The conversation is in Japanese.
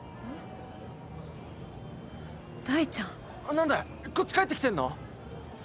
何だよこっち帰ってきてんの？